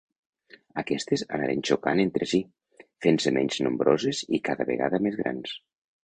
Aquestes anaren xocant entre si, fent-se menys nombroses i cada vegada més grans.